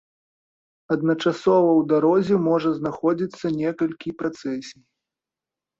Адначасова ў дарозе можа знаходзіцца некалькі працэсій.